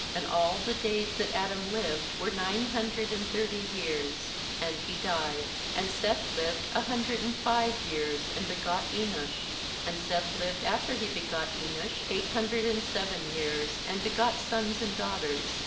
5And all the days that Adam lived were nine hundred and thirty years; and he died. sAnd Seth lived a hundred and five years, and begot Enosh. 7And Seth lived after he begot Enosh eight hundred and seven years, and begot sons and daughters.